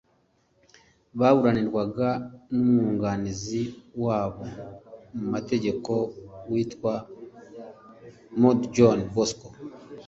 baburanirwaga n’umwugangizi wabo mu mategeko witwa Mudde John Bosco